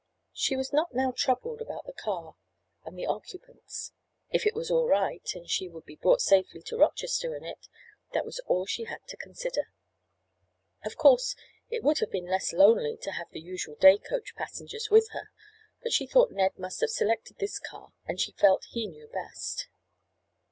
She was not now troubled about the car and the occupants. If it was all right, and she would be brought safely to Rochester in it, that was all she had to consider. Of course it would have been less lonely to have had the usual day coach passengers with her, but she thought Ned must have selected this car and she felt he knew best.